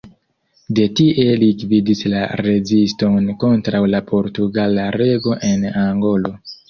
De tie li gvidis la reziston kontraŭ la portugala rego en Angolo.